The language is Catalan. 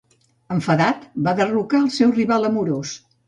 Enfadat, va derrocar el seu rival amorós.